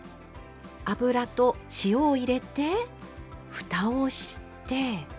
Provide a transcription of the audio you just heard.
油と塩を入れてふたをして。